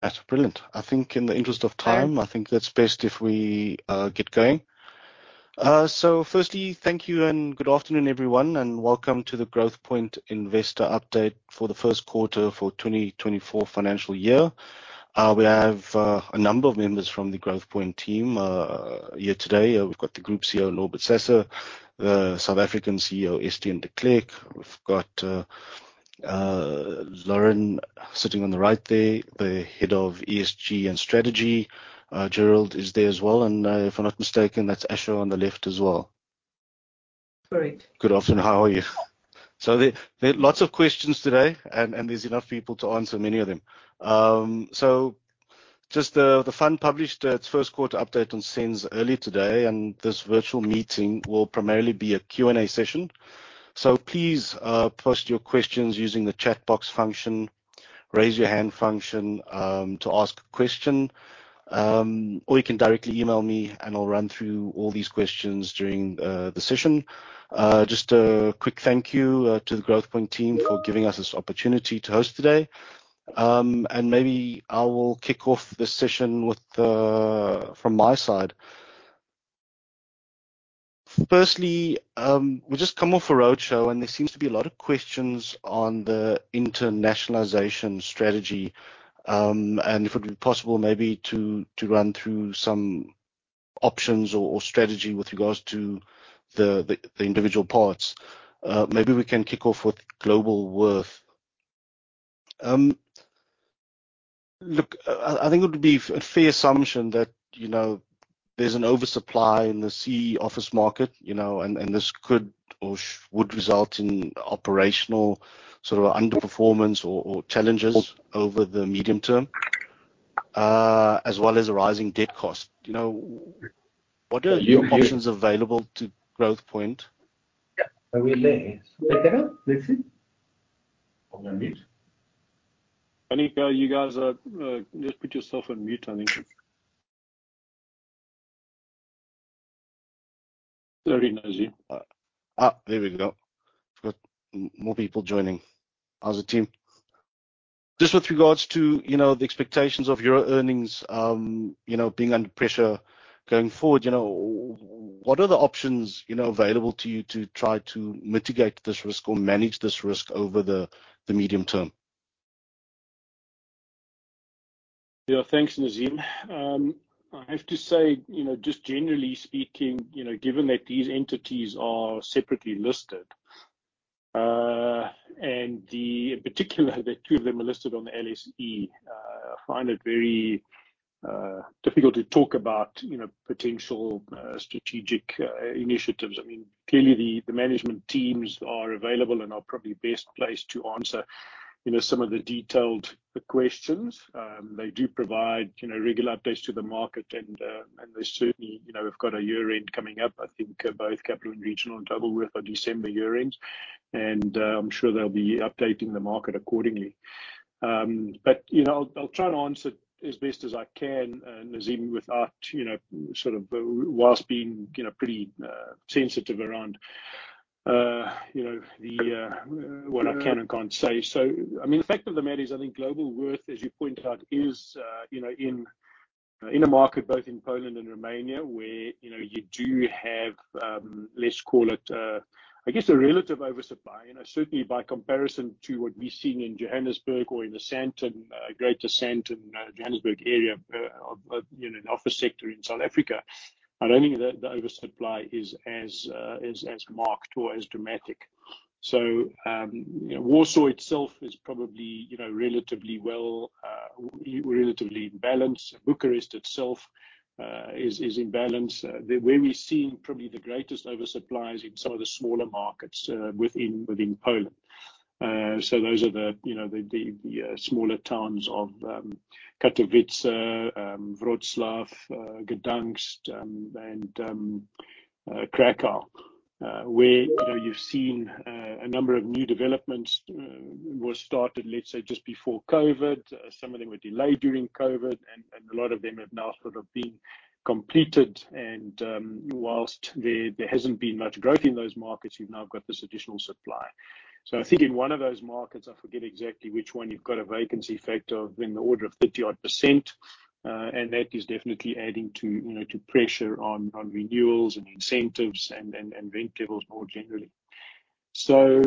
That's brilliant. I think in the interest of time, I think that's best if we get going. So firstly, thank you and good afternoon, everyone, and welcome to the Growthpoint Investor Update for the Q1 for 2024 financial year. We have a number of members from the Growthpoint team here today. We've got the Group CEO, Norbert Sasse, the South African CEO, Estienne de Klerk. We've got Lauren sitting on the right there, the Head of ESG and Strategy. Gerald is there as well, and if I'm not mistaken, that's Asha on the left as well. Correct. Good afternoon. How are you? So there are lots of questions today, and there's enough people to answer many of them. So just the fund published its Q1 update on SENS early today, and this virtual meeting will primarily be a Q&A session. So please post your questions using the chat box function, raise your hand function to ask a question, or you can directly email me, and I'll run through all these questions during the session. Just a quick thank you to the Growthpoint team for giving us this opportunity to host today. And maybe I will kick off this session with the... From my side. Firstly, we've just come off a roadshow, and there seems to be a lot of questions on the internationalization strategy, and if it would be possible maybe to run through some options or strategy with regards to the individual parts. Maybe we can kick off with Globalworth. Look, I think it would be a fair assumption that there's an oversupply in the CEE office market and this could or should result in operational, sort of, underperformance or challenges over the medium term, as well as rising debt cost. What are the options available to Growthpoint? Are we there? Is that better, Dixie? On mute. I think, you guys are, just put yourself on mute, I think. Very noisy. There we go. We've got more people joining us, the team. Just with regards to the expectations of your earning being under pressure going forward what are the options available to you to try to mitigate this risk or manage this risk over the medium term? Yeah, thanks, Nazeem. I have to say just generally speaking given that these entities are separately listed, and the... In particular, the two of them are listed on the LSE, I find it very difficult to talk about potential strategic initiatives. I mean, clearly, the management teams are available and are probably best placed to answer some of the detailed questions. They do provide regular updates to the market, and they certainly we've got a year-end coming up. I think both Capital & Regional and Globalworth are December year-ends, and I'm sure they'll be updating the market accordingly. But I'll, I'll try to answer as best as I can, Nazeem, with sort of, whilst being pretty, sensitive around the, what I can and can't say. So, I mean, the fact of the matter is, I think Globalworth, as you pointed out, is in, in a market both in Poland and Romania, where you do have, let's call it, I guess, a relative oversupply. Certainly by comparison to what we've seen in Johannesburg or in the Sandton, Greater Sandton, Johannesburg are the office sector in South Africa. I don't think that the oversupply is as, is, as marked or as dramatic. So, Warsaw itself is probably relatively well, relatively balanced. Bucharest itself is in balance. Where we're seeing probably the greatest oversupply is in some of the smaller markets within Poland. So those are the the smaller towns of Katowice, Wrocław, Gdańsk, and Kraków, where you've seen a number of new developments were started, let's say, just before COVID. Some of them were delayed during COVID, and a lot of them have now sort of been completed, and, while there hasn't been much growth in those markets, you've now got this additional supply. So I think in one of those markets, I forget exactly which one, you've got a vacancy factor of in the order of 30-odd%, and that is definitely adding to to pressure on renewals and incentives and rent levels more generally. So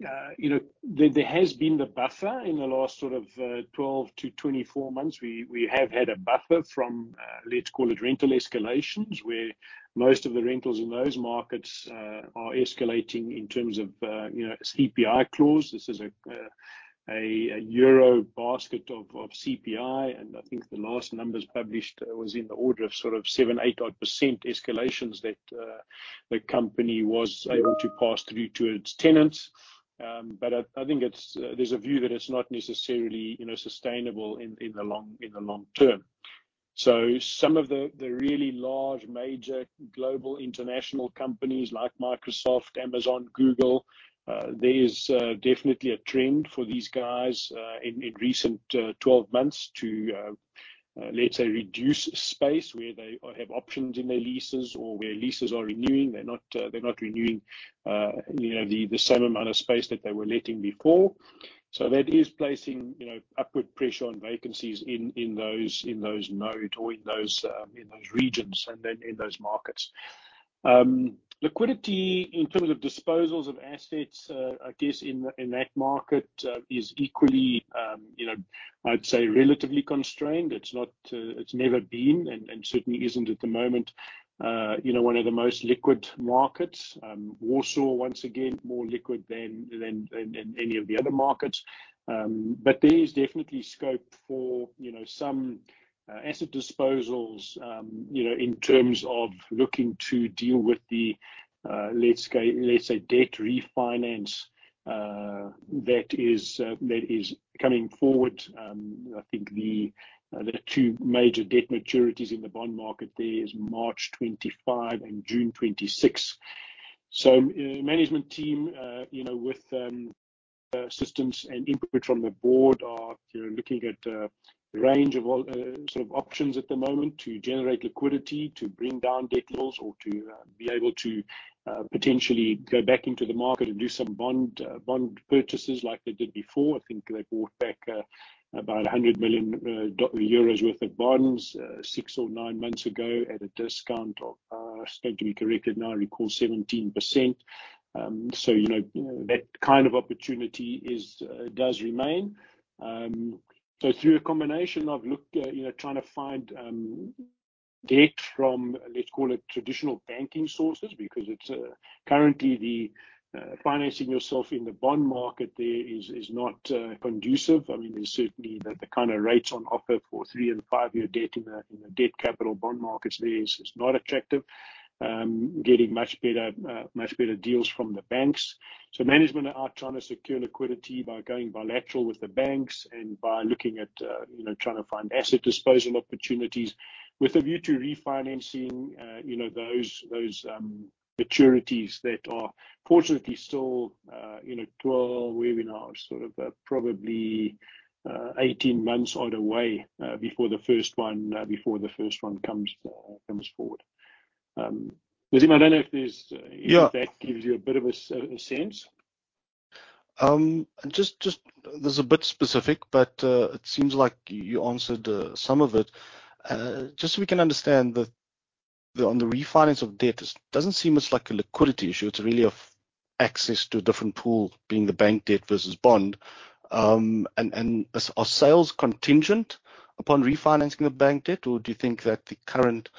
there has been the buffer in the last sort of 12-24 months. We have had a buffer from, let's call it rental escalations, where most of the rentals in those markets are escalating in terms of CPI clause. This is a euro basket of CPI, and I think the last numbers published was in the order of sort of 7-8-odd% escalations that the company was able to pass through to its tenants. But I think it's... There's a view that it's not necessarily sustainable in the long term. So some of the really large, major global international companies like Microsoft, Amazon, Google, there is definitely a trend for these guys in recent 12 months to let's say, reduce space where they have options in their leases or where leases are renewing, they're not renewing the same amount of space that they were letting before. So that is placing upward pressure on vacancies in those nodes or in those regions, and then in those markets. Liquidity in terms of disposals of assets, I guess in that market, is equally, I'd say relatively constrained. It's not, it's never been, and certainly isn't at the moment one of the most liquid markets. Warsaw, once again, more liquid than any of the other markets. But there is definitely scope for some asset disposals in terms of looking to deal with the, let's say, debt refinance, that is coming forward. I think the two major debt maturities in the bond market there is March 2025 and June 2026. So, management team with systems and input from the board are looking at the range of all sorts of options at the moment to generate liquidity, to bring down debt levels, or to be able to potentially go back into the market and do some bond purchases like they did before. I think they bought back about 100 million euros worth of bonds six or nine months ago at a discount of, stand to be corrected, now I recall 17%. So that kind of opportunity is does remain. So through a combination of trying to find debt from, let's call it, traditional banking sources, because it's currently the financing yourself in the bond market there is not conducive. I mean, there's certainly the kind of rates on offer for 3- and 5-year debt in the debt capital bond markets there is not attractive. Getting much better much better deals from the banks. So management are trying to secure liquidity by going bilateral with the banks and by looking at trying to find asset disposal opportunities with a view to refinancing those, those, maturities that are fortunately still 12, where we are, sort of, probably, 18 months out away, before the first one, before the first one comes, comes forward. Nazeem, I don't know if there's, Yeah. If that gives you a bit of a sense. Just, just... This is a bit specific, but, it seems like you answered some of it. Just so we can understand the on the refinance of debt, it doesn't seem much like a liquidity issue, it's really of access to a different pool, being the bank debt versus bond. And are sales contingent upon refinancing the bank debt, or do you think that the current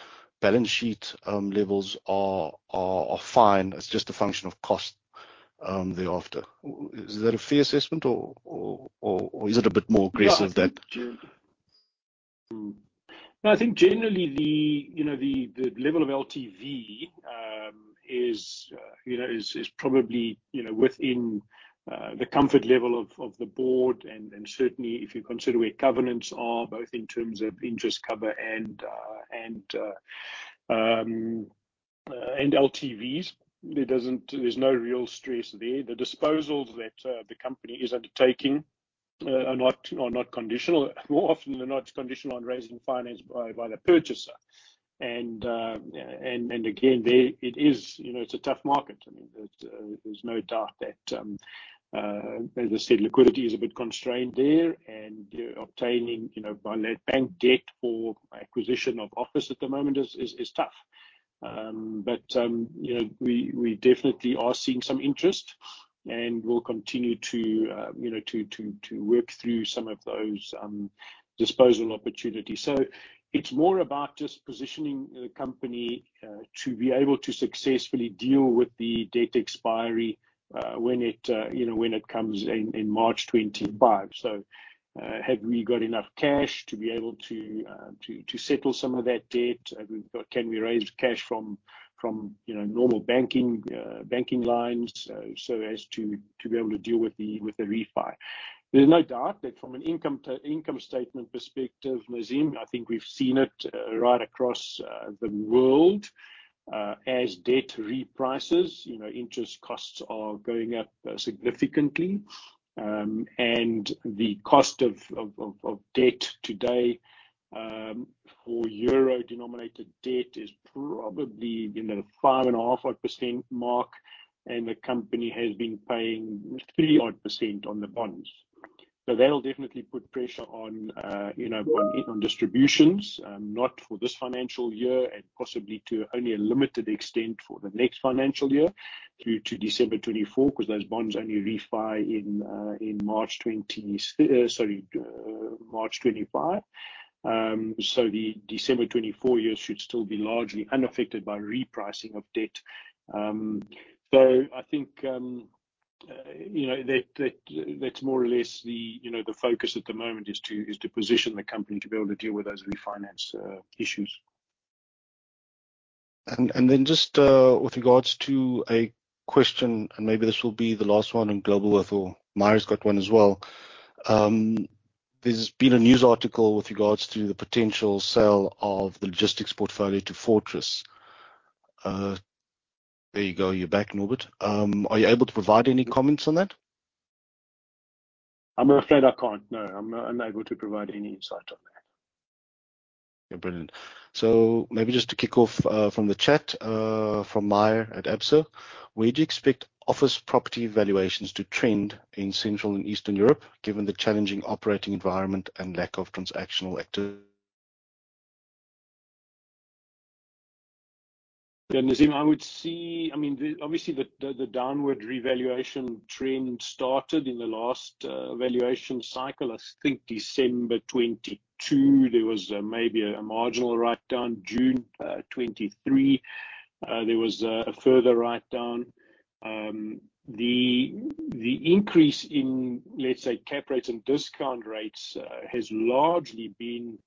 balance sheet levels are fine, it's just a function of cost thereafter? Is that a fair assessment or is it a bit more aggressive than- Yeah, I think generally... I think generally the level of LTV is probably within the comfort level of the board. And certainly, if you consider where covenants are, both in terms of interest cover and LTVs, there doesn't. There's no real stress there. The disposals that the company is undertaking are not conditional. More often than not, conditional on raising finance by the purchaser. And again, there it's a tough market. I mean, there's no doubt that, as I said, liquidity is a bit constrained there, and obtaining by net bank debt or acquisition of office at the moment is tough. But we definitely are seeing some interest, and we'll continue to work through some of those disposal opportunities. So it's more about just positioning the company to be able to successfully deal with the debt expiry when it comes in, in March 2025. So, have we got enough cash to be able to settle some of that debt? We've got. Can we raise cash from normal banking lines, so as to be able to deal with the refi? There's no doubt that from an income to income statement perspective, Nazeem, I think we've seen it right across the world. As debt reprices interest costs are going up significantly. And the cost of debt today, for euro-denominated debt is probably 5.5% or so, and the company has been paying 3% or so on the bonds. So that'll definitely put pressure on distributions. Not for this financial year, and possibly to only a limited extent for the next financial year, through to December 2024, 'cause those bonds only refi in March 2025. So the December 2024 year should still be largely unaffected by repricing of debt. So I think that, that's more or less the focus at the moment, is to position the company to be able to deal with those refinance issues. With regards to a question, and maybe this will be the last one on Globalworth, or Maya's got one as well. There's been a news article with regards to the potential sale of the logistics portfolio to Fortress. There you go. You're back, Norbert. Are you able to provide any comments on that?... I'm afraid I can't. No, I'm unable to provide any insight on that. Yeah, brilliant. So maybe just to kick off, from the chat, from Maya at Absa, where do you expect office property valuations to trend in Central and Eastern Europe, given the challenging operating environment and lack of transactional activity? Yeah, Nazeem, I would see—I mean, obviously, the downward revaluation trend started in the last valuation cycle. I think December 2022, there was maybe a marginal write-down. June 2023, there was a further write-down. The increase in, let's say, cap rates and discount rates has largely been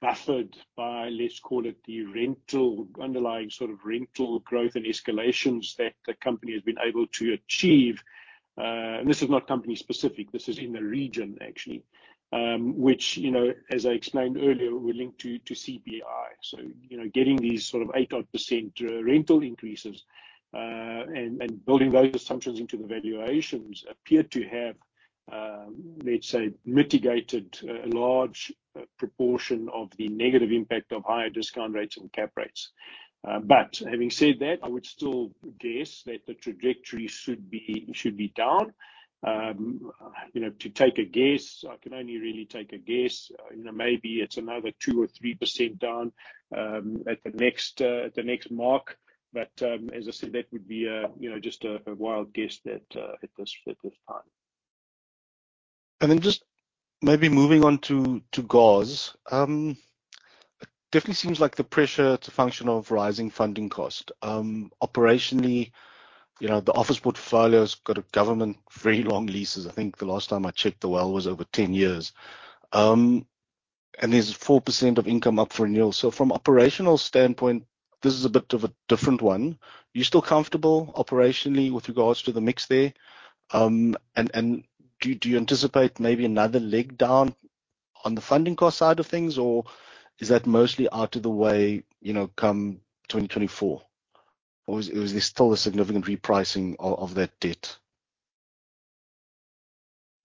buffered by, let's call it, the rental underlying sort of rental growth and escalations that the company has been able to achieve. And this is not company specific, this is in the region actually. Which as I explained earlier, we're linked to CPI. So getting these sort of 8 odd % rental increases, and building those assumptions into the valuations appear to have, let's say, mitigated a large proportion of the negative impact of higher discount rates and cap rates. But having said that, I would still guess that the trajectory should be down. To take a guess, I can only really take a guess maybe it's another 2%-3% down at the next mark. But, as I said, that would be just a, a wild guess that at this time. And then just maybe moving on to GOZ. It definitely seems like the pressure is a function of rising funding cost. Operationally the office portfolio's got very long leases. I think the last time I checked the WALE was over 10 years. And there's 4% of income up for renewal. So from operational standpoint, this is a bit of a different one. Are you still comfortable operationally with regards to the mix there? And do you anticipate maybe another leg down on the funding cost side of things, or is that mostly out of the way come 2024? Or is there still a significant repricing of that debt?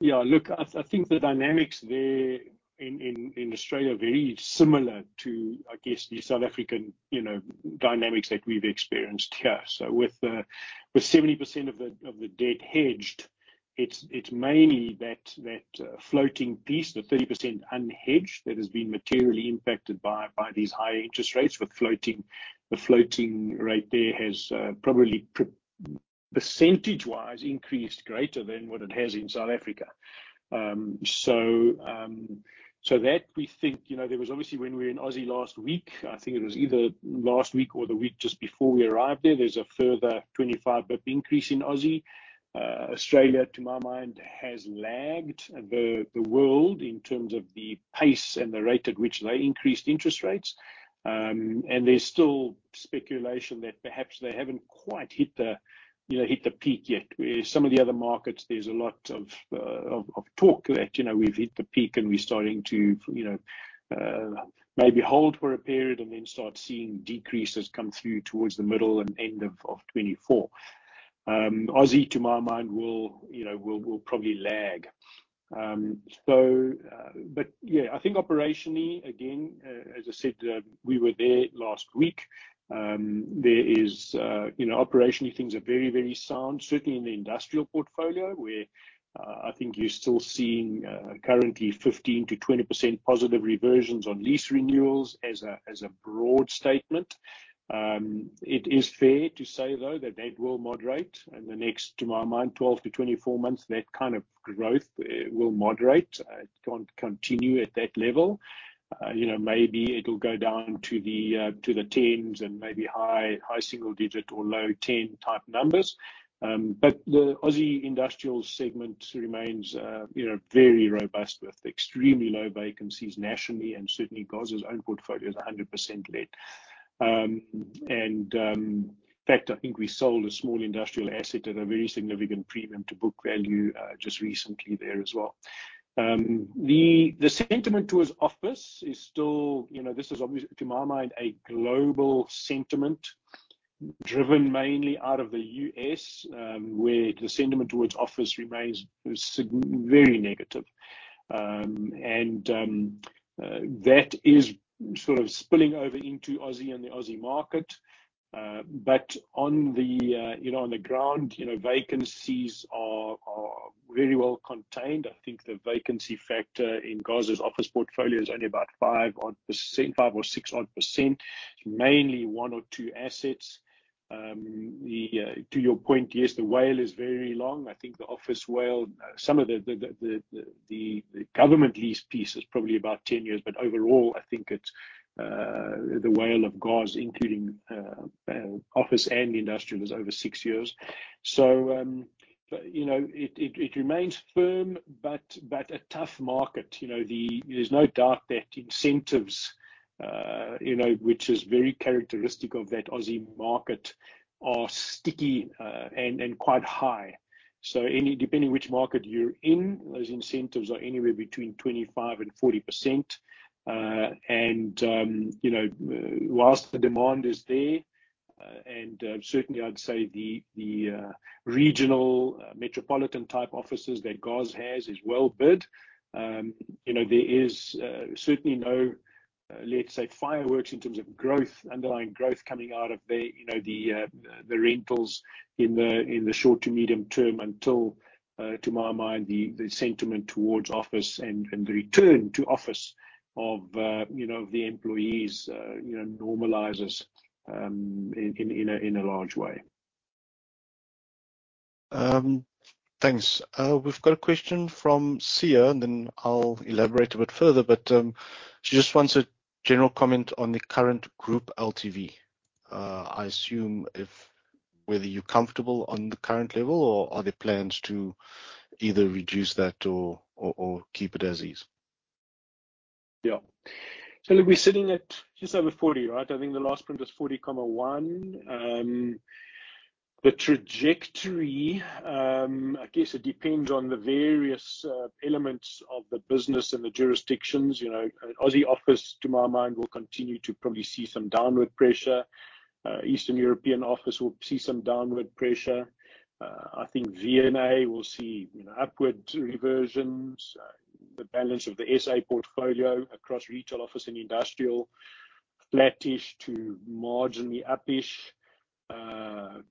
Yeah, look, I think the dynamics there in Australia are very similar to, I guess, the South African dynamics that we've experienced here. So with 70% of the debt hedged, it's mainly that floating piece, the 30% unhedged, that has been materially impacted by these higher interest rates. The floating rate there has probably percentage-wise increased greater than what it has in South Africa. So that we think there was obviously when we were in Aussie last week, I think it was either last week or the week just before we arrived there, there's a further 25 pip increase in Aussie. Australia, to my mind, has lagged the world in terms of the pace and the rate at which they increased interest rates. And there's still speculation that perhaps they haven't quite hit the hit the peak yet. Where some of the other markets, there's a lot of talk that we've hit the peak, and we're starting to maybe hold for a period and then start seeing decreases come through towards the middle and end of 2024. Aussie, to my mind will probably lag. So... But yeah, I think operationally, again, as I said, we were there last week. There is operationally, things are very, very sound, certainly in the industrial portfolio, where I think you're still seeing currently 15%-20% positive reversions on lease renewals as a broad statement. It is fair to say, though, that that will moderate in the next, to my mind, 12-24 months. That kind of growth will moderate. It can't continue at that level. Maybe it'll go down to the tens and maybe high single digit or low ten type numbers. But the Aussie industrial segment remains very robust, with extremely low vacancies nationally, and certainly GOZ's own portfolio is 100% let. In fact, I think we sold a small industrial asset at a very significant premium to book value just recently there as well. The sentiment towards office is still this is obviously, to my mind, a global sentiment driven mainly out of the U.S., where the sentiment towards office remains very negative. And that is sort of spilling over into Aussie and the Aussie market. But on the on the ground vacancies are very well contained. I think the vacancy factor in GOZ's office portfolio is only about 5-odd%, 5 or 6-odd%, mainly 1 or 2 assets. To your point, yes, the WALE is very long. I think the office WALE, some of the government lease piece is probably about 10 years. But overall, I think it's the WALE of GOZ, including office and industrial, is over 6 years. So it remains firm, but a tough market. There's no doubt that incentives which is very characteristic of that Aussie market, are sticky, and quite high. So depending which market you're in, those incentives are anywhere between 25%-40%. And while the demand is there and certainly I'd say the regional metropolitan-type offices that GOZ has is well bid. There is certainly no, let's say, fireworks in terms of growth, underlying growth coming out of the rentals in the short to medium term until, to my mind, the sentiment towards office and the return to office of the employees normalizes in a large way. Thanks. We've got a question from Sia, and then I'll elaborate a bit further, but she just wants a general comment on the current group LTV. I assume whether you're comfortable on the current level, or are there plans to either reduce that or keep it as is? Yeah. So look, we're sitting at just over 40, right? I think the last print was 40.1. The trajectory, I guess it depends on the various elements of the business and the jurisdictions. Aussie office, to my mind, will continue to probably see some downward pressure. Eastern European office will see some downward pressure. I think V&A will see upward reversions. The balance of the SA portfolio across retail, office, and industrial, flattish to marginally uppish.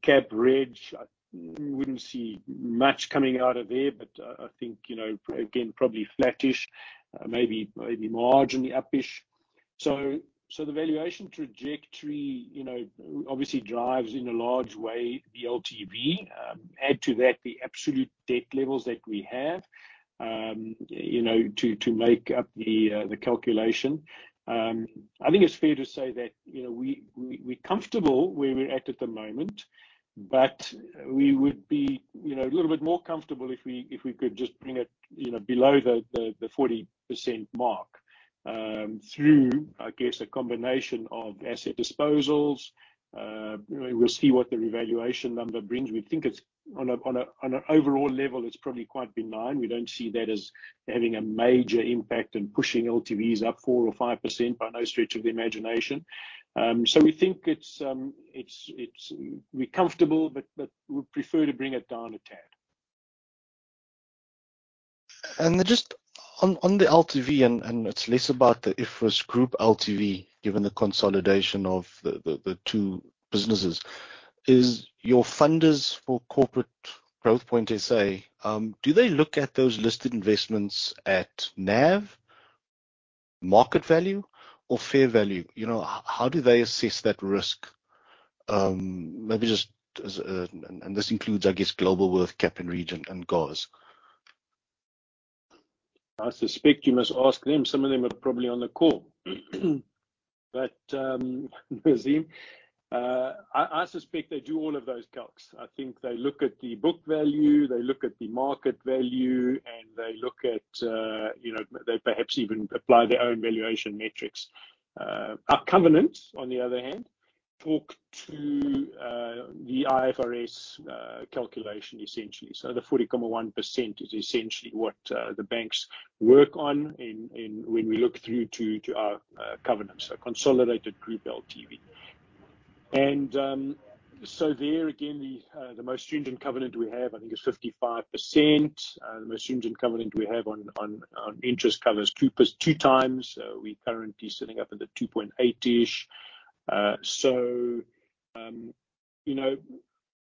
Cap Reg, I wouldn't see much coming out of there, but, I think again, probably flattish, maybe, maybe marginally uppish. So, so the valuation trajectory obviously drives in a large way, the LTV. Add to that, the absolute debt levels that we have to make up the, the calculation. I think it's fair to say that we're comfortable where we're at at the moment, but we would be a little bit more comfortable if we could just bring it below the 40% mark, through, I guess, a combination of asset disposals. We'll see what the revaluation number brings. We think it's on an overall level, it's probably quite benign. We don't see that as having a major impact and pushing LTVs up 4% or 5% by no stretch of the imagination. So we think it's... We're comfortable, but we'd prefer to bring it down a tad. Just on the LTV, and it's less about the IFRS group LTV, given the consolidation of the two businesses. Is your funders for corporate Growthpoint SA, do they look at those listed investments at NAV, market value, or fair value? How do they assess that risk? Maybe just as this includes, I guess, Globalworth, Capital & Regional, and GOZ. I suspect you must ask them. Some of them are probably on the call. But, Nazeem, I, I suspect they do all of those calcs. I think they look at the book value, they look at the market value, and they look at they perhaps even apply their own valuation metrics. Our covenants, on the other hand, talk to, the IFRS, calculation essentially. So the 40.1% is essentially what, the banks work on in, in when we look through to, to our, covenants, so consolidated group LTV. And, so there again, the, the most stringent covenant we have, I think, is 55%. The most stringent covenant we have on, on, on interest cover is two pers-- two times. We're currently sitting up in the 2.8-ish. So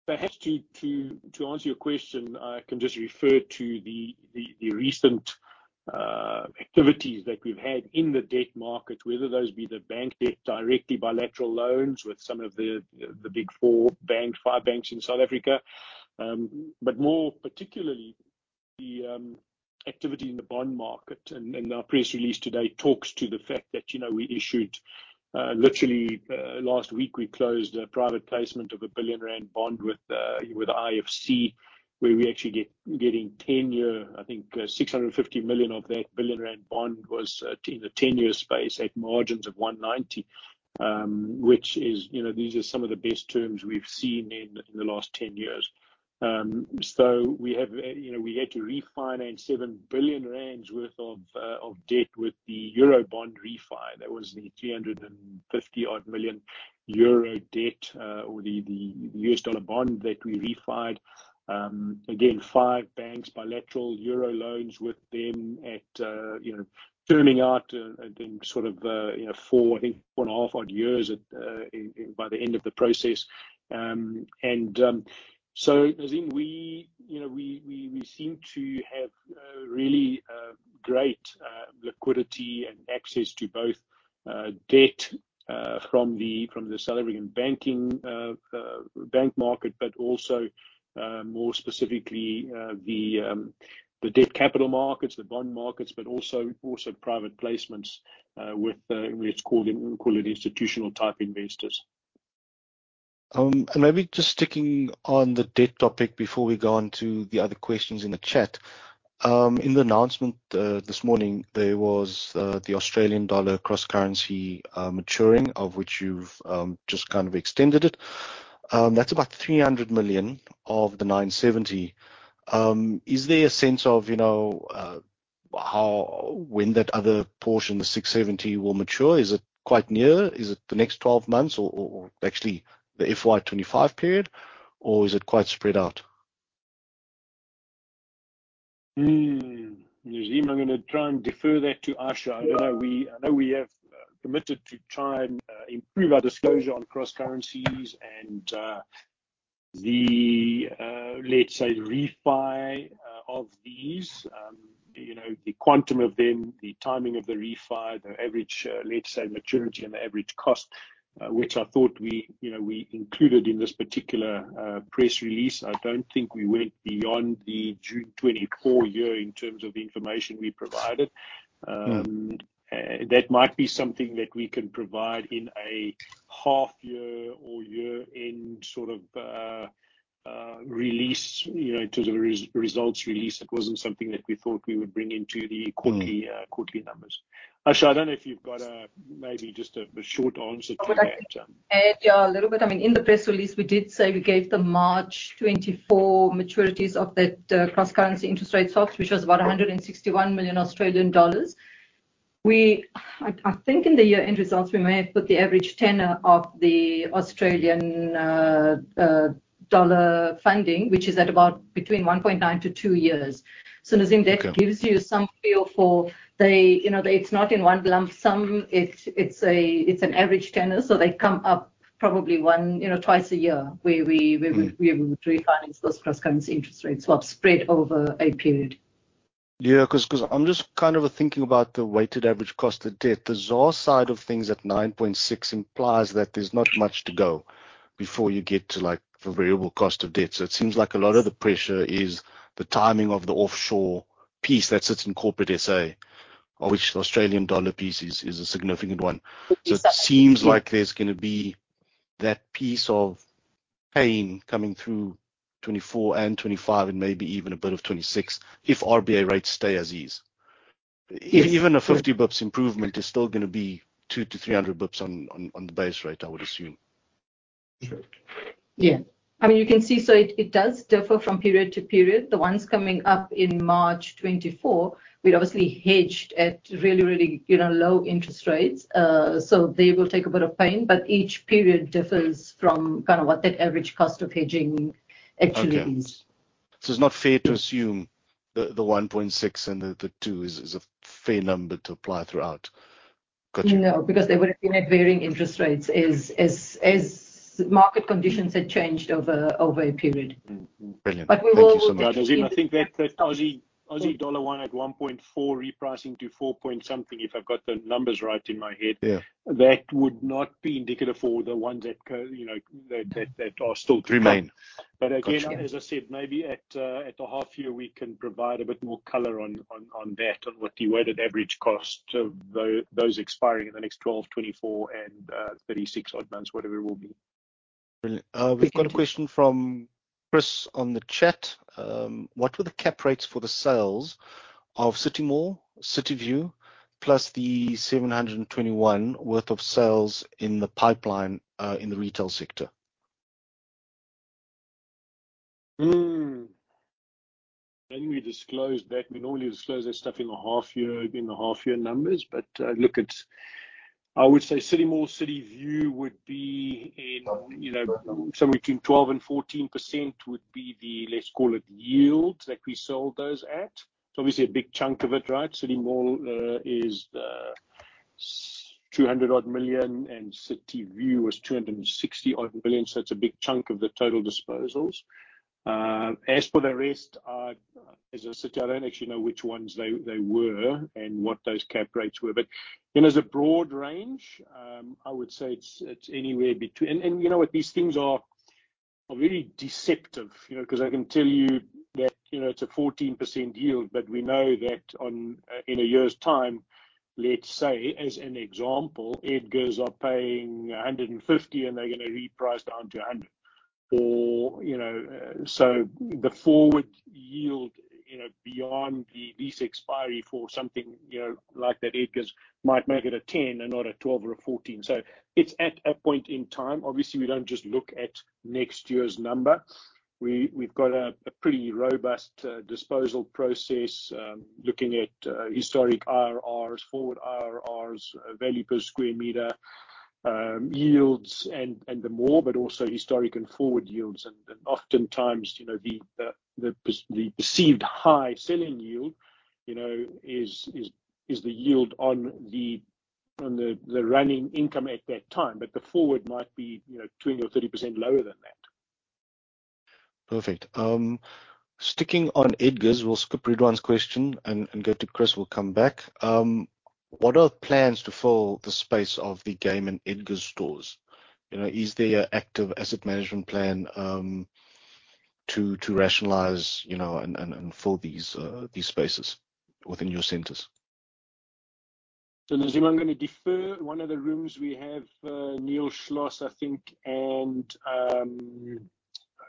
perhaps to answer your question, I can just refer to the recent activities that we've had in the debt market, whether those be the bank debt, directly bilateral loans with some of the Big Four banks, 5 banks in South Africa. But more particularly, the activity in the bond market, and our press release today talks to the fact that we issued, literally, last week, we closed a private placement of a 1 billion rand bond with IFC, where we're actually getting ten-year... I think, 650 million of that 1 billion rand bond was in the ten-year space at margins of 190, which is these are some of the best terms we've seen in the last 10 years. So we have we had to refinance 7 billion rand worth of debt with the Eurobond refi. That was the 350-odd million euro debt, or the, the US dollar bond that we refi'd. Again, 5 banks, bilateral euro loans with them at turning out, I think, sort of 4, I think, 4.5-odd years at, in, in by the end of the process. So Nazeem we seem to have really great liquidity and access to both debt from the South African banking market, but also more specifically the debt capital markets, the bond markets, but also private placements with, let's call it, institutional-type investors. And maybe just sticking on the debt topic before we go on to the other questions in the chat. In the announcement this morning, there was the Australian dollar cross-currency maturing, of which you've just kind of extended it. That's about 300 million of the 970. Is there a sense of how, when that other portion, the 670, will mature? Is it quite near? Is it the next 12 months or, or, or actually the FY 2025 period, or is it quite spread out? Nazeem, I'm gonna try and defer that to Asha. Yeah. I know we, I know we have committed to try and improve our disclosure on cross currencies and the, let's say, refi of these. The quantum of them, the timing of the refi, the average, let's say, maturity and the average cost, which I thought we included in this particular press release. I don't think we went beyond the June 2024 year in terms of the information we provided. Mm. That might be something that we can provide in a half year or year-end sort of release in terms of the results release. It wasn't something that we thought we would bring into the- Mm... quarterly, quarterly numbers. Asha, I don't know if you've got a, maybe just a, a short answer to that. Add, yeah, a little bit. I mean, in the press release, we did say we gave the March 2024 maturities of that, cross-currency interest rate swaps, which was about 161 million Australian dollars. We... I, I think in the year-end results, we may have put the average tenor of the Australian dollar funding, which is at about between 1.9-2 years. So Nazeem, - Okay... that gives you some feel for they it's not in one lump sum. It's an average tenor, so they come up probably one or twice a year, where we- Mm... we refinance those cross-currency interest rate swaps spread over a period. Yeah, 'cause I'm just kind of thinking about the weighted average cost of debt. The ZAR side of things at 9.6 implies that there's not much to go before you get to, like, the variable cost of debt. So it seems like a lot of the pressure is the timing of the offshore piece that sits in corporate SA, of which the Australian dollar piece is a significant one. Exactly. It seems like there's gonna be that piece of pain coming through 2024 and 2025, and maybe even a bit of 2026, if RBA rates stay as is. Yes. Even a 50 basis points improvement is still gonna be 200-300 basis points on the base rate, I would assume. That's right. Yeah. I mean, you can see, so it, it does differ from period to period. The ones coming up in March 2024, we'd obviously hedged at really, really low interest rates. So they will take a bit of pain, but each period differs from kind of what that average cost of hedging actually is. Okay. So it's not fair to assume the 1.6 and the 2 is a fair number to apply throughout? Got you. No, because they would have been at varying interest rates as market conditions had changed over a period. Mm. Brilliant. But we will- Thank you so much. Yeah, Nazeem, I think that, that Aussie dollar one at 1.4 repricing to 4.something, if I've got the numbers right in my head- Yeah... that would not be indicative for the ones that go that are still to come. Remain. Got you. But again, as I said, maybe at the half year, we can provide a bit more color on that, on what the weighted average cost of those expiring in the next 12, 24, and 36 odd months, whatever it will be. Brilliant. Thank you. We've got a question from Chris on the chat: What were the cap rates for the sales of City Mall, City View, plus 721 million worth of sales in the pipeline, in the retail sector? Can we disclose that? We normally disclose that stuff in the half year, in the half year numbers. But look, it's... I would say City Mall, Cityview would be in somewhere between 12%-14% would be the, let's call it, yield that we sold those at. It's obviously a big chunk of it, right? City Mall is 200 million, and Cityview was 260 million, so it's a big chunk of the total disposals. As for the rest, I, as I said, I don't actually know which ones they, they were and what those cap rates were. But as a broad range, I would say it's, it's anywhere between... And you know what? These things are really deceptive cause I can tell you that it's a 14% yield, but we know that on, in a year's time, let's say, as an example, Edgars are paying 150, and they're gonna reprice down to 100. Or so the forward yield beyond the lease expiry for something like that Edgars might make it a 10 and not a 12 or a 14. So it's at a point in time. Obviously, we don't just look at next year's number. We've got a pretty robust disposal process looking at historic IRRs, forward IRRs, value per square meter, yields, and more, but also historic and forward yields. Oftentimes the perceived high selling yield is the yield on the running income at that time, but the forward might be 20% or 30% lower than that. Perfect. Sticking on Edgars, we'll skip Ridwaan's question and go to Chris. We'll come back. What are the plans to fill the space of the Game and Edgars stores? Is there an active asset management plan to rationalize and fill these spaces within your centers? So, Nazeem, I'm gonna defer. One of the rooms we have, Neil Schloss, I think, and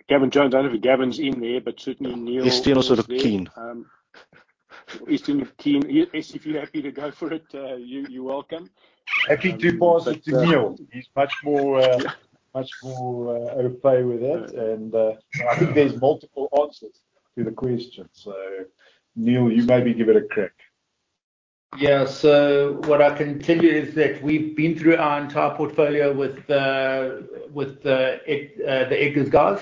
Gavin Jones. I don't know if Gavin's in there, but certainly Neil- Estienne or sort of Keane. Estienne or Keane's, if you're happy to go for it, you're welcome. Happy to pass it to Neil. He's much more,... Much more, out of play with that. And, I think there's multiple answers to the question. So, Neil, you maybe give it a crack. Yeah. So what I can tell you is that we've been through our entire portfolio with the Edgars guys.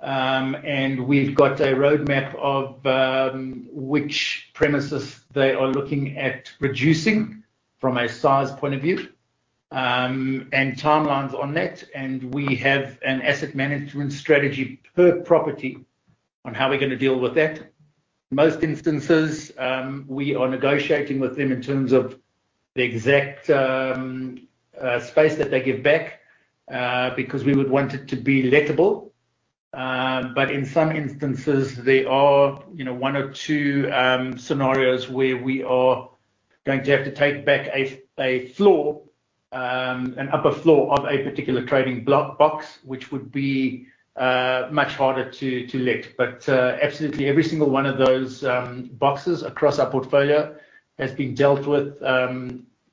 And we've got a roadmap of which premises they are looking at reducing from a size point of view, and timelines on that. And we have an asset management strategy per property on how we're gonna deal with that. Most instances, we are negotiating with them in terms of the exact space that they give back, because we would want it to be lettable. But in some instances, there are one or two scenarios where we are going to have to take back a floor, an upper floor of a particular trading block box, which would be much harder to let. But, absolutely every single one of those boxes across our portfolio has been dealt with,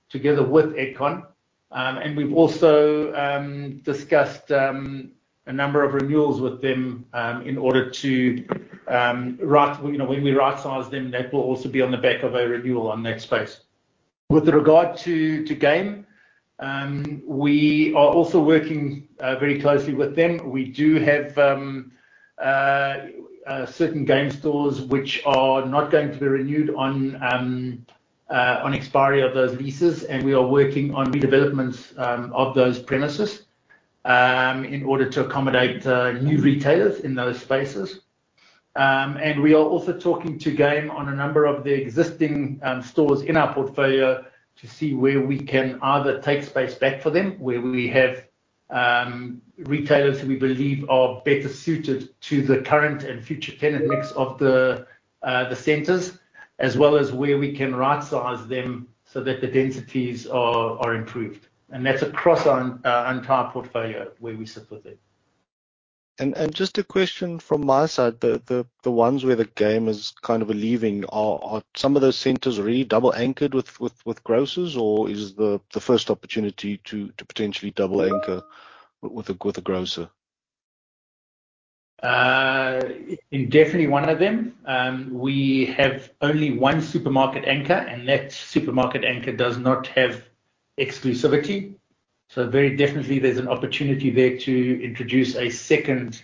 together with Edcon. And we've also discussed a number of renewals with them, in order to right... when we right-size them, that will also be on the back of a renewal on that space. With regard to Game, we are also working very closely with them. We do have certain Game stores which are not going to be renewed on expiry of those leases, and we are working on redevelopments of those premises, in order to accommodate new retailers in those spaces. And we are also talking to Game on a number of their existing stores in our portfolio to see where we can either take space back for them, where we have retailers who we believe are better suited to the current and future tenant mix of the centers, as well as where we can rightsize them so that the densities are improved. And that's across our entire portfolio where we sit with it. Just a question from my side, the ones where the Game is kind of leaving, are some of those centers already double anchored with grocers, or is this the first opportunity to potentially double anchor with a grocer? Indeed, definitely one of them. We have only one supermarket anchor, and that supermarket anchor does not have exclusivity. So very definitely there's an opportunity there to introduce a second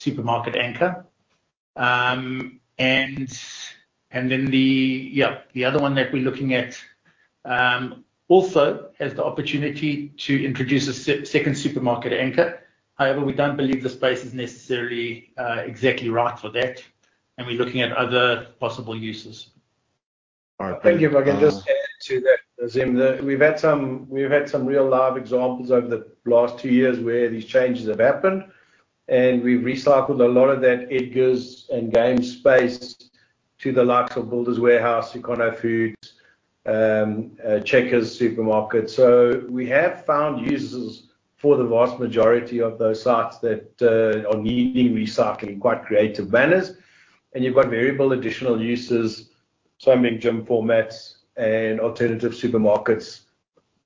supermarket anchor. And then the other one that we're looking at also has the opportunity to introduce a second supermarket anchor. However, we don't believe the space is necessarily exactly right for that, and we're looking at other possible uses. All right. Thank you. If I can just add to that, Nazeem, that we've had some real live examples over the last two years where these changes have happened, and we've recycled a lot of that Edgars and Game space to the likes of Builders Warehouse, Econofoods, Checkers supermarket. So we have found uses for the vast majority of those sites that are needing recycling in quite creative manners. And you've got variable additional uses, swimming gym formats and alternative supermarkets,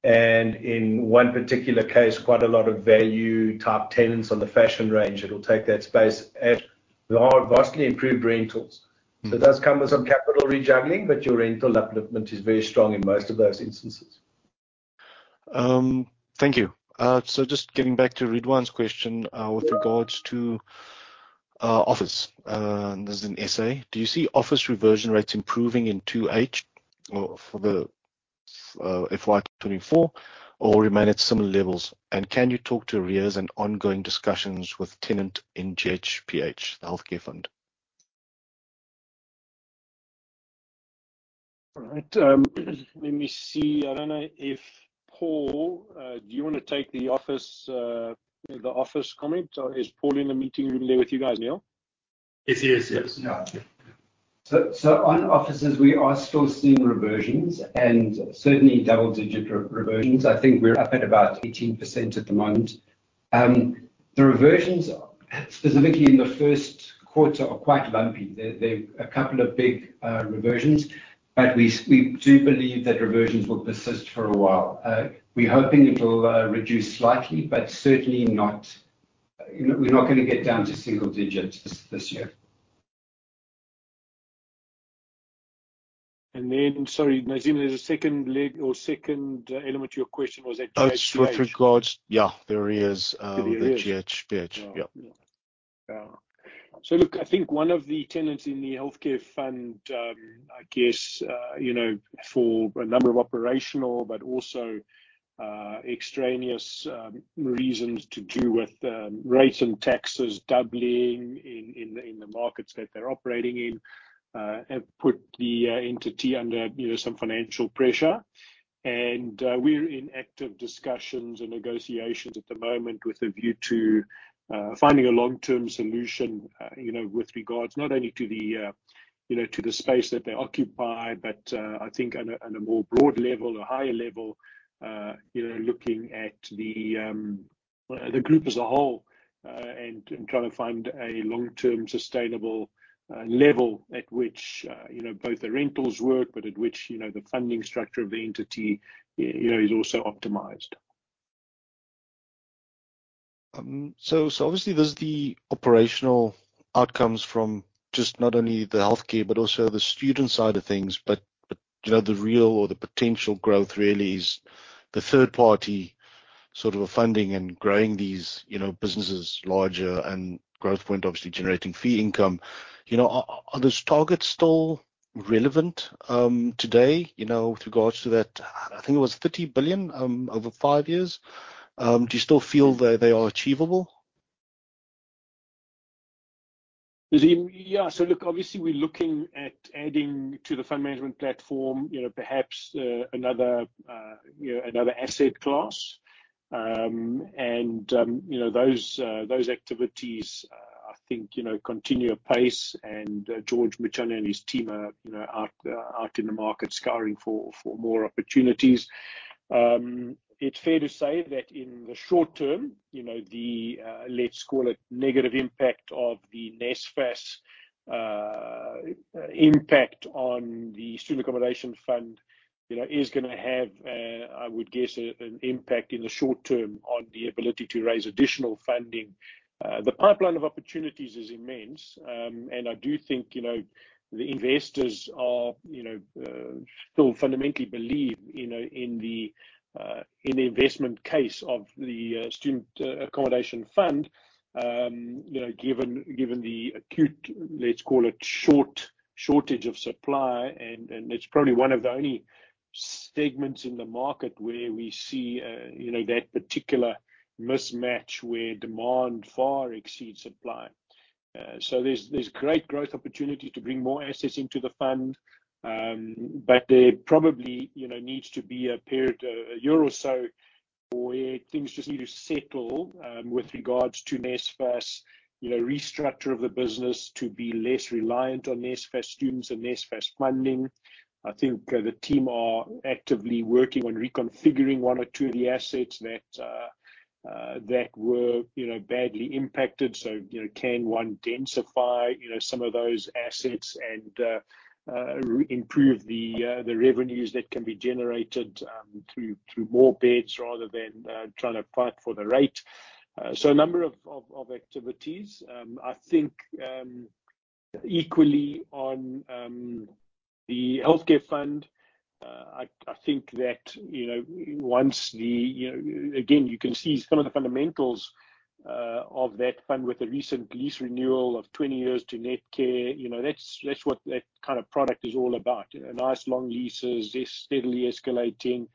and in one particular case, quite a lot of value-type tenants on the fashion range that will take that space, and there are vastly improved rentals. Mm. It does come with some capital rejigging, but your rental upliftment is very strong in most of those instances. Thank you. So just getting back to Ridwaan's question, with regards to office, this is an S.A.: Do you see office reversion rates improving in 2H or for the FY 2024, or remain at similar levels? And can you talk to arrears and ongoing discussions with tenant in GHPH, the healthcare fund? All right. Let me see. I don't know if, Paul, do you want to take the office comment, or is Paul in the meeting room there with you guys, Neil? Yes, he is. Yes. Yeah. So on offices, we are still seeing reversions and certainly double-digit reversions. I think we're up at about 18% at the moment. The reversions, specifically in the Q1, are quite lumpy. There are a couple of big reversions, but we do believe that reversions will persist for a while. We're hoping it'll reduce slightly, but certainly not we're not gonna get down to single digits this year. And then, sorry, Nazeem, there's a second leg or second element to your question. Was that 2H? Oh, with regards... Yeah, the arrears. The arrears... the GHPH. Yeah. Yeah. So look, I think one of the tenants in the healthcare fund, I guess for a number of operational but also extraneous reasons to do with rates and taxes doubling in the markets that they're operating in, have put the entity under some financial pressure. And we're in active discussions and negotiations at the moment with a view to finding a long-term solution with regards not only to the space that they occupy, but I think on a more broad level or higher level looking at the group as a whole. trying to find a long-term, sustainable level at which both the rentals work, but at which the funding structure of the entity is also optimized. So obviously, there's the operational outcomes from just not only the healthcare but also the student side of things. But the real or the potential growth really is the third party sort of a funding and growing these businesses larger and Growthpoint obviously generating fee income. Are those targets still relevant today with regards to that? I think it was 30 billion over five years. Do you still feel that they are achievable? Nazeem, yeah. So look, obviously, we're looking at adding to the fund management platform perhaps, another another asset class. And, those, those activities, I think, continue apace, and, George Mitchel and his team are out, out in the market scouring for, for more opportunities. It's fair to say that in the short term the, let's call it negative impact of the NSFAS, impact on the student accommodation fund is gonna have, I would guess, a, an impact in the short term on the ability to raise additional funding. The pipeline of opportunities is immense, and I do think the investors are still fundamentally believe in the, in the investment case of the student accommodation fund. given the acute, let's call it shortage of supply, and it's probably one of the only segments in the market where we see, that particular mismatch where demand far exceeds supply. So there's great growth opportunity to bring more assets into the fund, but there probably needs to be a period, a year or so, where things just need to settle, with regards to NSFAS restructure of the business to be less reliant on NSFAS students and NSFAS funding. I think, the team are actively working on reconfiguring one or two of the assets that, that were badly impacted. So can one densify some of those assets and, reimprove the, the revenues that can be generated, through more beds rather than, trying to fight for the rate? So a number of activities. I think, equally on, the healthcare fund, I, I think that once the... again, you can see some of the fundamentals, of that fund with the recent lease renewal of 20 years to Netcare. that's, that's what that kind of product is all about. nice, long leases, they're steadily escalating.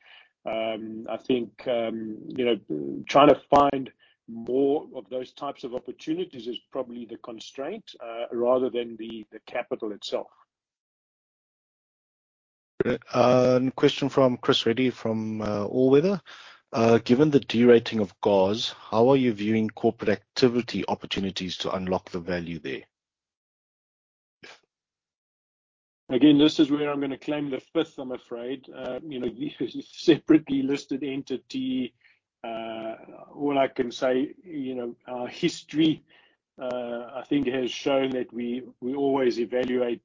I think, you trying to find more of those types of opportunities is probably the constraint, rather than the capital itself. Great. Question from Chris Sobey from Allweather. "Given the de-rating of GOZ, how are you viewing corporate activity opportunities to unlock the value there? Again, this is where I'm gonna claim the fifth, I'm afraid. separately listed entity, all I can say our history, I think has shown that we, we always evaluate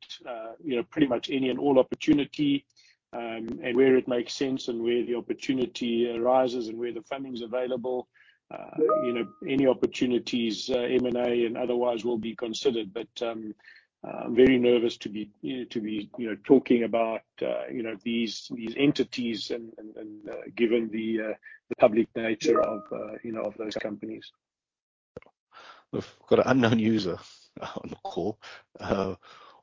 pretty much any and all opportunity, and where it makes sense and where the opportunity arises and where the funding's available any opportunities, M&A and otherwise will be considered. But, I'm very nervous to be to be talking about these, these entities and, and, and, given the, the public nature of of those companies. We've got an unknown user on the call.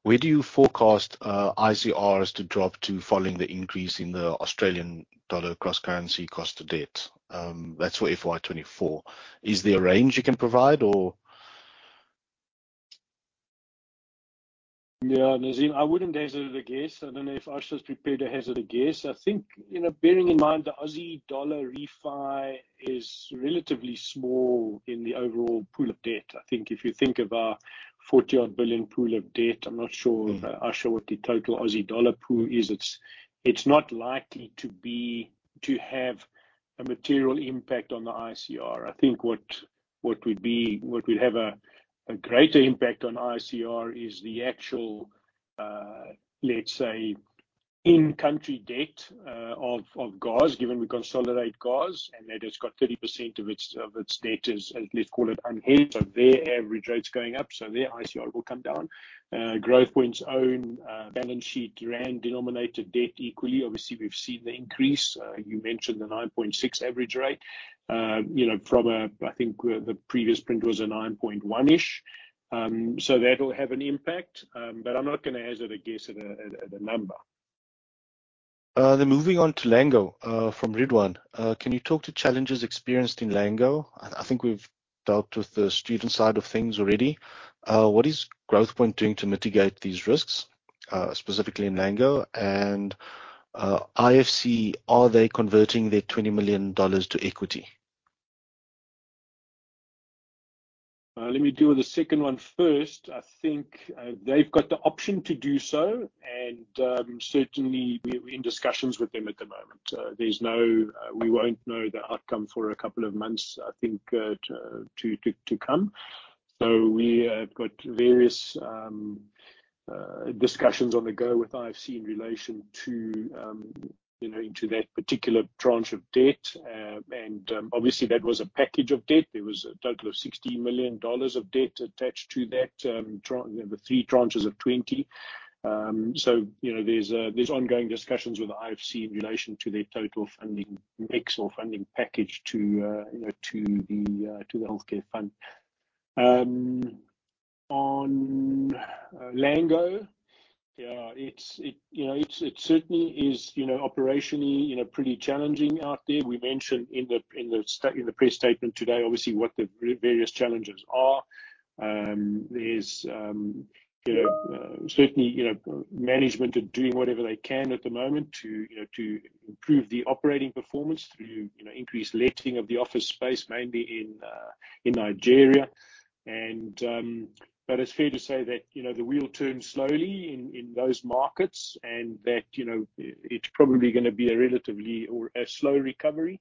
Where do you forecast ICRs to drop to following the increase in the Australian dollar cross-currency cost to debt? That's for FY 2024. Is there a range you can provide, or...? Yeah, Nazeem, I wouldn't hazard a guess. I don't know if Asha is prepared to hazard a guess. I think bearing in mind the Aussie dollar refi is relatively small in the overall pool of debt. I think if you think of our 40-odd billion pool of debt, I'm not sure, Asha, what the total Aussie dollar pool is. It's not likely to have a material impact on the ICR. I think what would have a greater impact on ICR is the actual, let's say, in-country debt of GOZ, given we consolidate GOZ, and that it's got 30% of its debt, let's call it, unhedged. So their average rate's going up, so their ICR will come down. Growthpoint's own balance sheet ZAR-denominated debt equally, obviously, we've seen the increase. You mentioned the 9.6 average rate from a... I think, the previous print was a 9.1-ish. So that will have an impact, but I'm not gonna hazard a guess at a number. Then moving on to Lango, from Ridwaan. "Can you talk to challenges experienced in Lango?" I think we've dealt with the student side of things already. What is Growthpoint doing to mitigate these risks, specifically in Lango? And, IFC, are they converting their $20 million to equity?... Let me deal with the second one first. I think, they've got the option to do so, and, certainly, we're in discussions with them at the moment. There's no... We won't know the outcome for a couple of months, I think, to come. So we have got various discussions on the go with IFC in relation to into that particular tranche of debt. And, obviously, that was a package of debt. There was a total of $60 million of debt attached to that, the three tranches of $20 million. So there's ongoing discussions with the IFC in relation to their total funding mix or funding package to the, to the healthcare fund. On Lango, yeah, it's certainly is operationally pretty challenging out there. We mentioned in the press statement today, obviously, what the various challenges are. There's certainly, management are doing whatever they can at the moment to improve the operating performance through increased letting of the office space, mainly in Nigeria. And, but it's fair to say that the wheel turns slowly in those markets, and that it's probably gonna be a relatively slow recovery,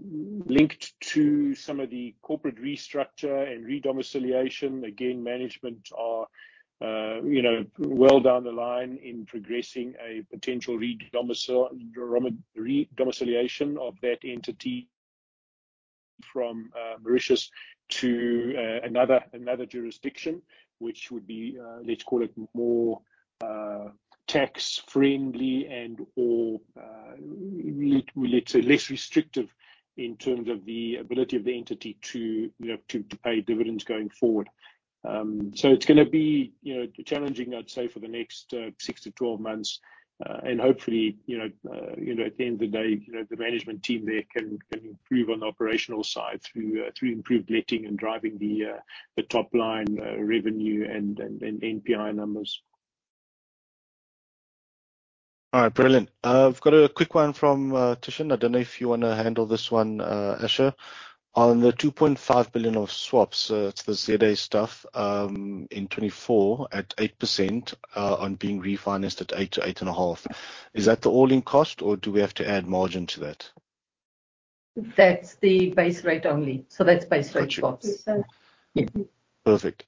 linked to some of the corporate restructure and re-domiciliation. Again, management are well down the line in progressing a potential re-domiciliation of that entity from Mauritius to another jurisdiction, which would be, let's call it, more tax-friendly and/or, well, let's say less restrictive, in terms of the ability of the entity to pay dividends going forward. So it's gonna be challenging, I'd say, for the next 6-12 months. And hopefully at the end of the day the management team there can improve on the operational side through improved letting and driving the top line revenue, and NPI numbers. All right. Brilliant. I've got a quick one from Tishan. I don't know if you wanna handle this one, Asha. On the 2.5 billion of swaps, it's the ZA stuff, in 2024 at 8%, on being refinanced at 8%-8.5%. Is that the all-in cost, or do we have to add margin to that? That's the base rate only. So that's base rate swaps. Got you. Yeah. Perfect.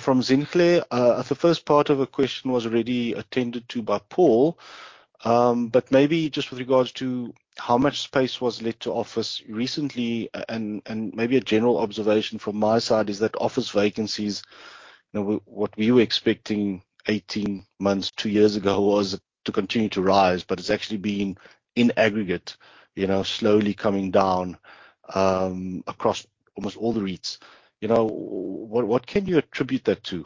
From Sinclair, the first part of the question was already attended to by Paul. But maybe just with regards to how much space was let to office recently, and maybe a general observation from my side is that office vacancies what we were expecting 18 months, two years ago, was to continue to rise, but it's actually been, in aggregate slowly coming down across almost all the REITs. what can you attribute that to?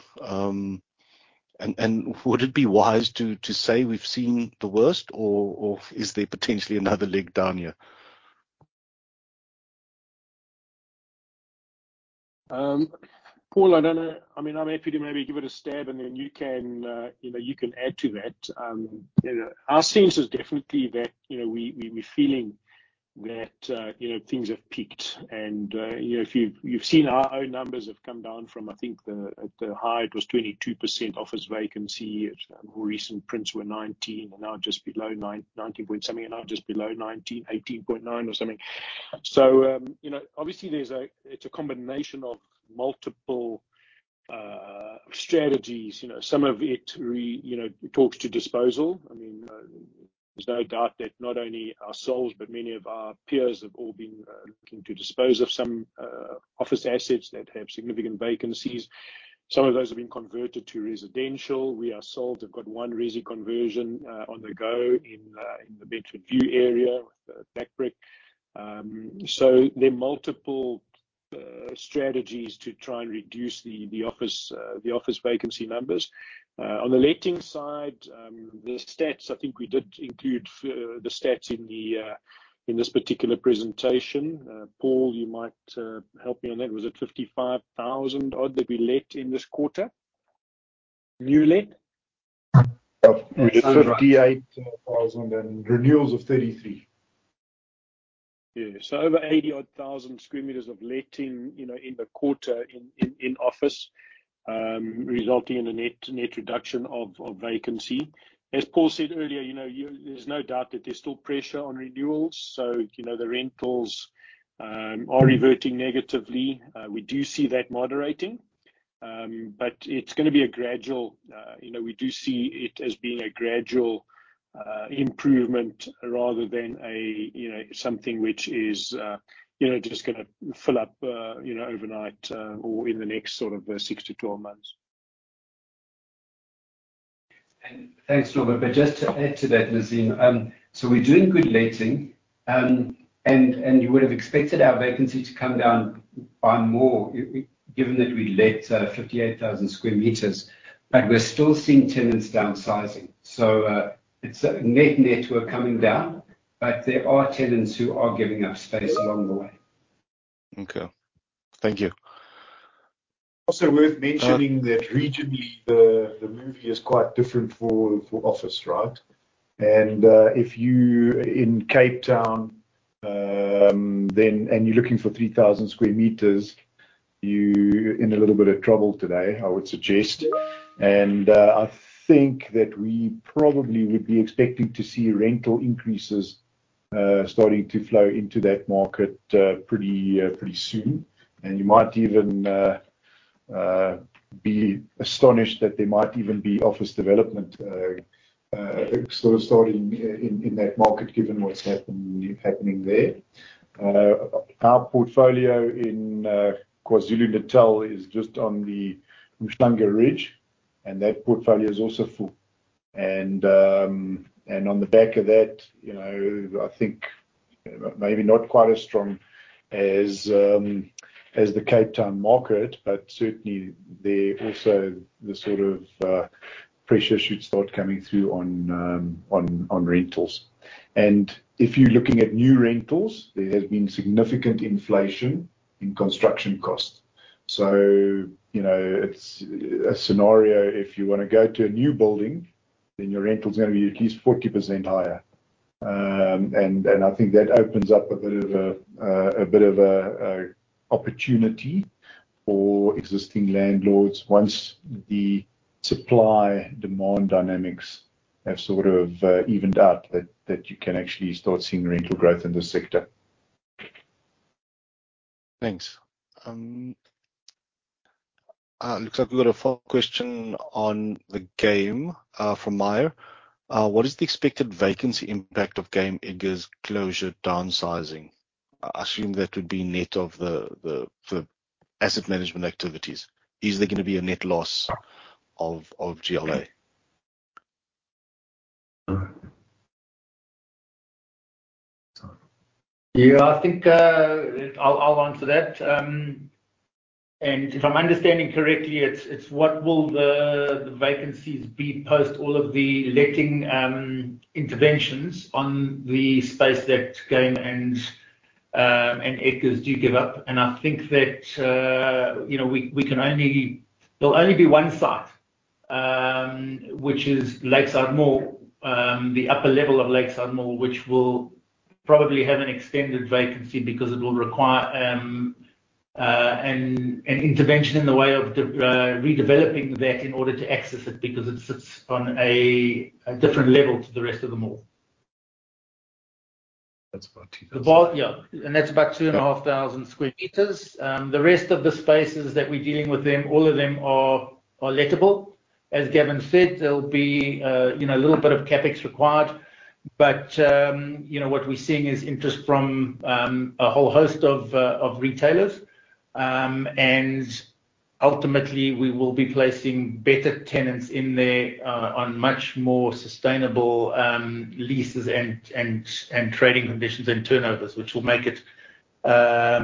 And would it be wise to say we've seen the worst, or is there potentially another leg down here? Paul, I don't know. I mean, I'm happy to maybe give it a stab, and then you can add to that. our sense is definitely that we, we're feeling that things have peaked. And if you've seen our own numbers have come down from, I think, the at the high, it was 22% office vacancy. More recent prints were 19, and now just below nineteen point something, and now just below nineteen, 18.9 or something. So obviously, there's a it's a combination of multiple strategies. some of it talks to disposal. I mean, there's no doubt that not only ourselves, but many of our peers, have all been looking to dispose of some office assets that have significant vacancies. Some of those have been converted to residential. We ourselves have got one resi conversion on the go in the Bedfordview area with BlackBrick. So there are multiple strategies to try and reduce the office vacancy numbers. On the letting side, the stats, I think we did include the stats in this particular presentation. Paul, you might help me on that. Was it 55,000-odd that we let in this quarter? New let. 58,000 and renewals of 33. Yeah. So over 80,000 square meters of letting in the quarter in office, resulting in a net reduction of vacancy. As Paul said earlier there's no doubt that there's still pressure on renewals, so the rentals are reverting negatively. We do see that moderating, but it's gonna be a gradual... we do see it as being a gradual improvement rather than a something which is just gonna fill up overnight, or in the next sort of 6-12 months. Thanks, Norbert. But just to add to that, Nazeem, so we're doing good letting, and you would have expected our vacancy to come down by more, given that we let 58,000 square meters, but we're still seeing tenants downsizing. So, it's a net, net, we're coming down, but there are tenants who are giving up space along the way. Okay. Thank you.... Also worth mentioning that regionally, the mood is quite different for office, right? And if you in Cape Town, then and you're looking for 3,000 square meters, you're in a little bit of trouble today, I would suggest. And I think that we probably would be expecting to see rental increases starting to flow into that market pretty soon. And you might even be astonished that there might even be office development sort of starting in that market, given what's happened and happening there. Our portfolio in KwaZulu-Natal is just on the Umhlanga Ridge, and that portfolio is also full. On the back of that I think maybe not quite as strong as, as the Cape Town market, but certainly there also the sort of pressure should start coming through on rentals. And if you're looking at new rentals, there has been significant inflation in construction costs. So it's a scenario, if you want to go to a new building, then your rental is gonna be at least 40% higher. And I think that opens up a bit of an opportunity for existing landlords once the supply-demand dynamics have sort of evened out, that you can actually start seeing rental growth in this sector. Thanks. Looks like we've got a follow question on the Game, from Meyer. What is the expected vacancy impact of Game Edgars closure, downsizing? I assume that would be net of the asset management activities. Is there gonna be a net loss of GLA? Yeah, I think, I'll answer that. And if I'm understanding correctly, it's what will the vacancies be post all of the letting interventions on the space that Game and Edgars do give up? And I think that we can only... There'll only be one site, which is Lakeside Mall, the upper level of Lakeside Mall, which will probably have an extended vacancy because it will require an intervention in the way of redeveloping that in order to access it, because it sits on a different level to the rest of the mall. That's about two- Yeah, and that's about 2,500 square meters. The rest of the spaces that we're dealing with them, all of them are lettable. As Gavin said, there'll be a little bit of CapEx required, but what we're seeing is interest from a whole host of retailers. And ultimately, we will be placing better tenants in there, on much more sustainable leases and trading conditions and turnovers, which will make it far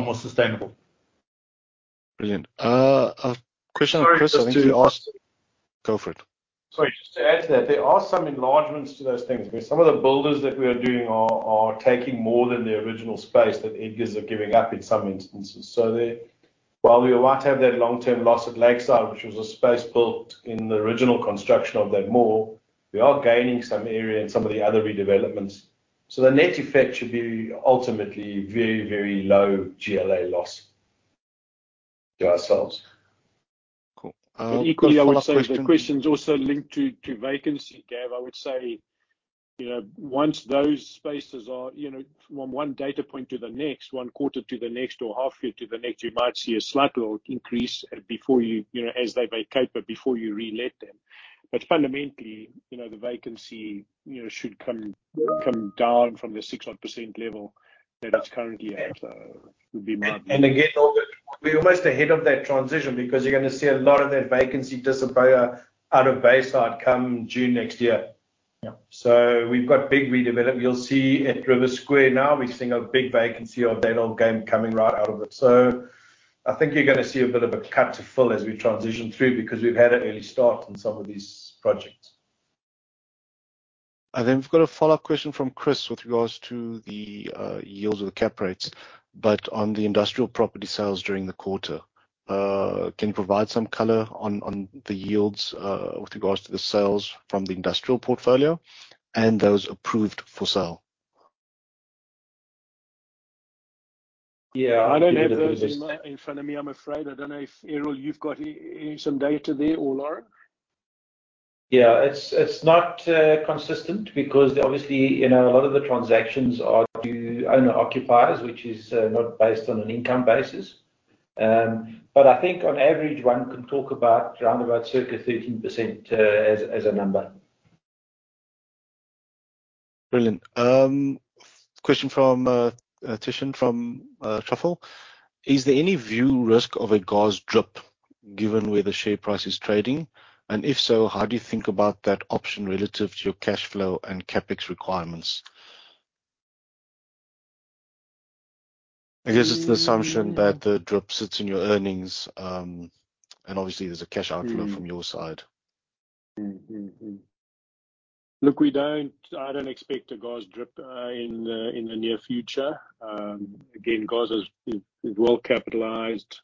more sustainable. Brilliant. Question- Sorry, just to ask- Go for it. Sorry, just to add to that, there are some enlargements to those things. Some of the builders that we are doing are taking more than the original space that Edgars are giving up in some instances. So there, while we might have that long-term loss at Lakeside, which was a space built in the original construction of that mall, we are gaining some area in some of the other redevelopments. So the net effect should be ultimately very, very low GLA loss to ourselves. Cool. Uh- Equally, I would say the question is also linked to vacancy, Gav. I would say once those spaces are from one data point to the next, Q1 to the next, or half year to the next, you might see a slight little increase before you... as they vacate, but before you re-let them. But fundamentally the vacancy should come down from the 6% odd level that it's currently at. Would be my view. And again, we're almost ahead of that transition because you're gonna see a lot of that vacancy disappear out of Bayside come June next year. Yeah. We've got big redevelopment. You'll see at River Square now, we're seeing a big vacancy of that old Game coming right out of it. So I think you're gonna see a bit of a cut to full as we transition through, because we've had an early start in some of these projects. Then we've got a follow-up question from Chris with regards to the yields or the cap rates, but on the industrial property sales during the quarter. Can you provide some color on the yields with regards to the sales from the industrial portfolio and those approved for sale? Yeah, I don't have those in front of me, I'm afraid. I don't know if, Errol, you've got some data there or Lauren? Yeah, it's, it's not consistent because obviously a lot of the transactions are to owner-occupiers, which is not based on an income basis. But I think on average, one can talk about around about circa 13%, as a number. Brilliant. Question from Tishan from Truffle: Is there any view risk of a Gars drop, given where the share price is trading? And if so, how do you think about that option relative to your cash flow and CapEx requirements? I guess it's an assumption that the drop sits in your earnings, and obviously, there's a cash outflow from your side. Look, we don't—I don't expect a GOZ DRIP in the near future. Again, GOZ is well capitalized.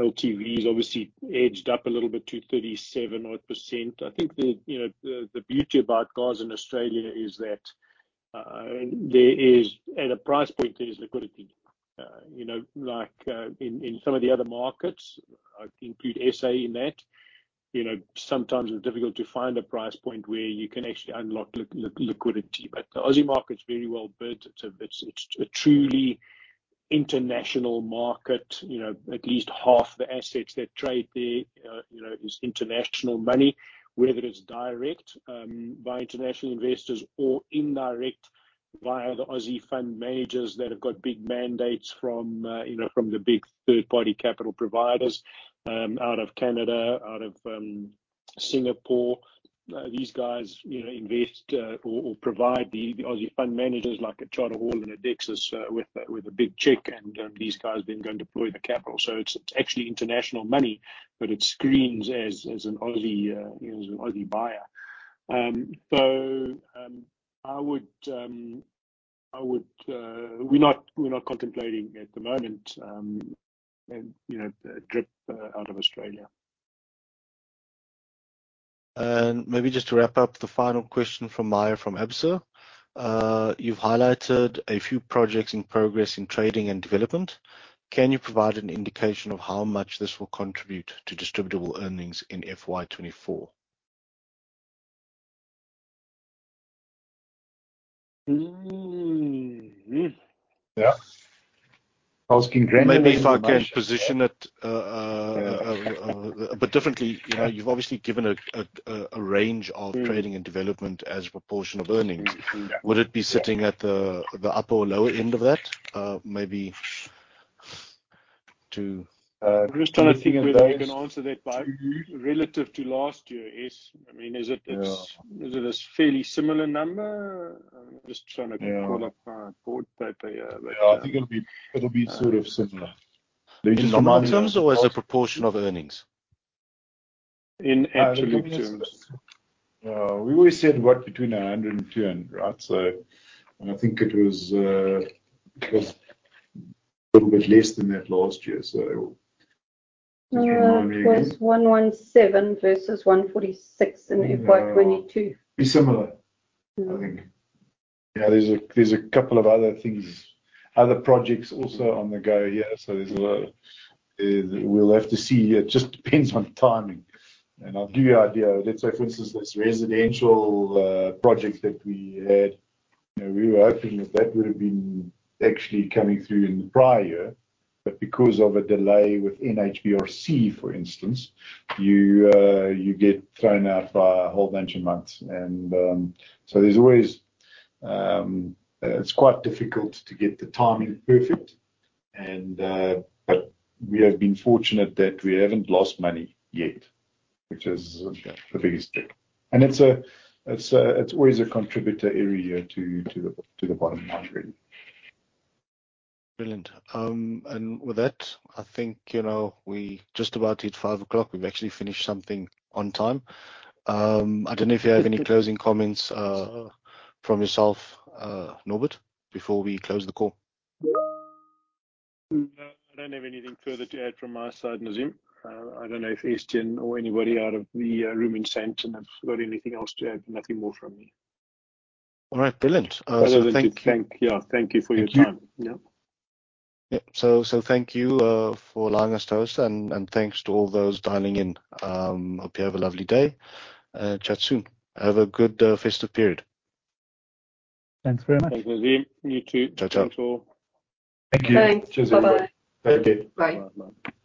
LTV is obviously edged up a little bit to 37-odd%. I think the beauty about GOZ in Australia is that at a price point, there is liquidity. like, in some of the other markets, I include SA in that sometimes it's difficult to find a price point where you can actually unlock liquidity. But the Aussie market is very well built. It's a truly international market at least half the assets that trade there is international money, whether it's direct by international investors or indirect via the Aussie fund managers that have got big mandates from the big third-party capital providers out of Canada out of Singapore. These guys invest or provide the Aussie fund managers like a Charter Hall and Dexus with a big check and these guys then go and deploy the capital. So it's actually international money, but it screens as an Aussie buyer. So I would... We're not contemplating at the moment a DRIP out of Australia. Maybe just to wrap up the final question from Maya, from Absa. You've highlighted a few projects in progress in trading and development. Can you provide an indication of how much this will contribute to distributable earnings in FY 2024? Hmm. Yeah. Asking randomly- Maybe if I can position it a bit differently. you've obviously given a range of trading and development as a proportion of earnings. Yeah. Would it be sitting at the upper or lower end of that, maybe to? I'm just trying to think whether we can answer that by relative to last year, is... I mean, is it- Yeah. Is it a fairly similar number? I'm just trying to- Yeah... pull up my board paper here. Yeah, I think it'll be, it'll be sort of similar. In normal terms or as a proportion of earnings? In absolute terms. We always said, what? Between 100 and 200, right? So I think it was, it was a little bit less than that last year, so. It was 117 versus 146 in FY 2022. Yeah. Be similar, I think. Yeah, there's a couple of other things, other projects also on the go here, so there's a lot. We'll have to see here. It just depends on timing, and I'll give you idea. Let's say, for instance, this residential project that we were hoping that that would have been actually coming through in the prior year, but because of a delay with NHBRC, for instance, you get thrown out by a whole bunch of months. And so there's always... It's quite difficult to get the timing perfect, and but we have been fortunate that we haven't lost money yet, which is the biggest thing. And it's always a contributor every year to the bottom line, really. Brilliant. And with that, I think we just about hit 5:00 P.M. We've actually finished something on time. I don't know if you have any closing comments from yourself, Norbert, before we close the call. I don't have anything further to add from my side, Nazeem. I don't know if Estienne or anybody out of the room in SA have got anything else to add. Nothing more from me. All right, brilliant. So thank you. Other than to thank, yeah, thank you for your time. Thank you. Yeah. Yeah. So, thank you for allowing us to host, and thanks to all those dialing in. Hope you have a lovely day. Chat soon. Have a good festive period. Thanks very much. Thanks, Nazeem. You too. Ciao, ciao. Thank you. Thanks. Bye-bye. Thank you. Bye.